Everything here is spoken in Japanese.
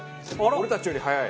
俺たちより早い。